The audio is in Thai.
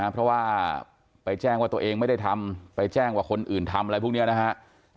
เพราะว่าไปแจ้งว่าตัวเองไม่ได้ทำไปแจ้งว่าคนอื่นทำอะไรพวกนี้นะครับ